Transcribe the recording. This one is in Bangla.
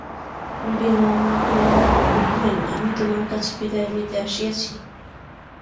বিল্বন কহিলেন, আমি তোমার কাছে বিদায় লইতে আসিয়াছি।